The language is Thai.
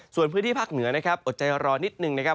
ส่วนพื้นที่ภาคเหนือนะครับอดใจรอนิดนึงนะครับ